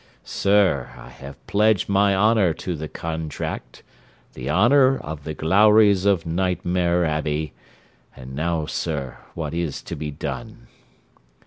Sir, I have pledged my honour to the contract the honour of the Glowries of Nightmare Abbey: and now, sir, what is to be done?'